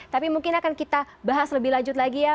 tapi mungkin akan kita bahas lebih lanjut lagi ya